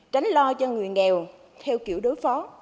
tránh lo cho người nghèo theo kiểu đối phó